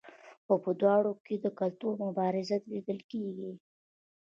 خو په دواړو کې د کلتور مبارزه لیدل کیږي.